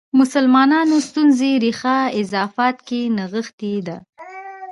مسلمانانو ستونزو ریښه اضافات کې نغښې ده.